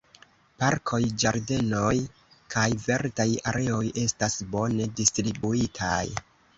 Parkoj, ĝardenoj kaj verdaj areoj estas bone distribuitaj.